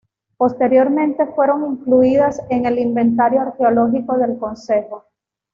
Posteriormente fueron incluidas en el inventario arqueológico del concejo.